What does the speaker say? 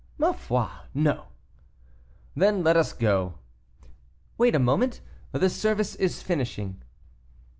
"Ma foi! no." "Then let us go." "Wait a moment; the service is finishing."